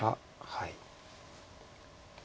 はい。